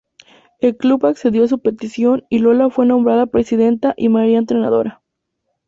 El club accedió a su petición y Lola fue nombrada presidenta y María entrenadora.